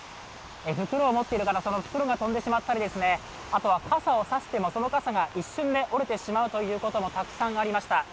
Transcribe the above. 袋を持っている方、袋が飛んでしまったり、あとは傘を差してもその傘が一瞬で折れてしまうということもたくさんありました。